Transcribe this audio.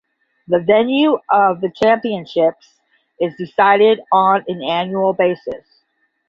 The venue of the championships is decided on an annual basis.